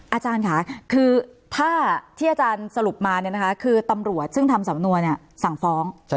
อาจารย์ค่ะคือถ้าที่อาจารย์สรุปมาคือตำรวจซึ่งทำสำนวนสั่งฟ้อง